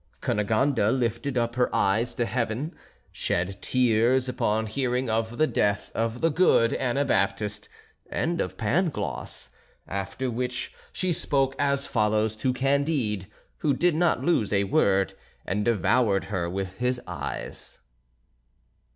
Cunegonde lifted up her eyes to heaven; shed tears upon hearing of the death of the good Anabaptist and of Pangloss; after which she spoke as follows to Candide, who did not lose a word and devoured her with his eyes.